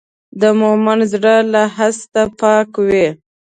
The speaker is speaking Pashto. د مؤمن زړه له حسد پاک وي.